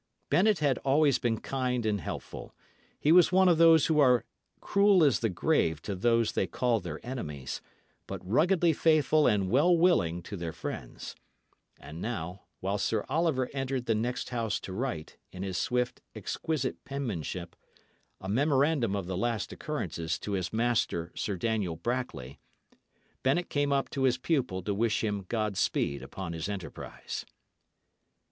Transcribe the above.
Bennet had always been kind and helpful; he was one of those who are cruel as the grave to those they call their enemies, but ruggedly faithful and well willing to their friends; and now, while Sir Oliver entered the next house to write, in his swift, exquisite penmanship, a memorandum of the last occurrences to his master, Sir Daniel Brackley, Bennet came up to his pupil to wish him God speed upon his enterprise.